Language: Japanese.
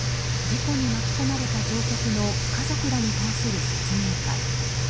事故に巻き込まれた乗客の家族らに対する説明会。